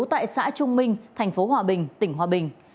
tại xã trung minh thành phố hòa bình tỉnh hòa bình